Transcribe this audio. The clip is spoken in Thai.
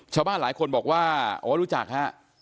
ชาวบ้านหลายคนบอกว่าอ๋อรู้จักฮะ